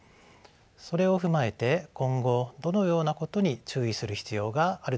それを踏まえて今後どのようなことに注意する必要があるでしょうか。